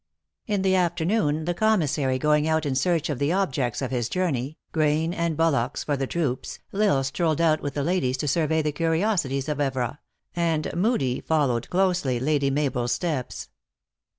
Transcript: In the afternoon, the commissary going out in search of the objects of his journey, grain and bul locks for the troops, L Isle strolled out with the ladies to survey the curiosities of Evora, and Moodie followed closely Lady Mabel s steps.